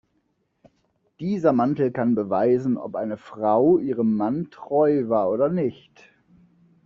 Dieser Mantel kann beweisen, ob eine Frau ihrem Mann treu war oder nicht.